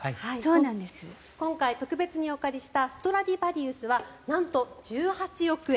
今回特別にお借りしたストラディバリウスはなんと、１８億円。